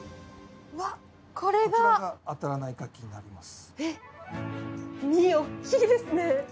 こちらがあたらないカキになります。